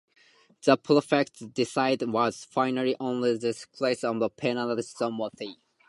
The prefect's decision was final only in cases of penal servitude.